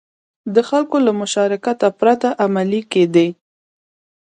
د خلکو له مشارکت پرته عملي کېدې.